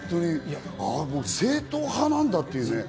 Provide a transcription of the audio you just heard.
正統派なんだっていうね。